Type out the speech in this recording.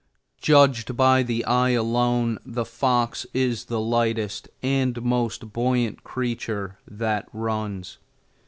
Judged by the eye alone, the fox is the lightest and most buoyant creature that runs.